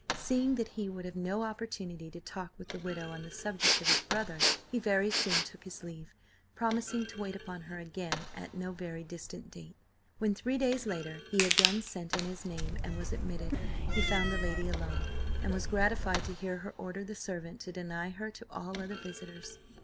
Seeing that he would have no opportunity to talk with the widow on the subject of his brother, he very soon took his leave, promising to wait upon her again at no very distant date. When, three days later, he again sent in his name and was admitted, he found the lady alone, and was gratified to hear her order the servant to deny her to all other visitors.